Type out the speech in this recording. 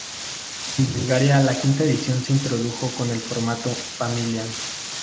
En Bulgaria la quinta edición se introdujo con el formato "Familia".